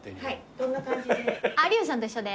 どんな感じで？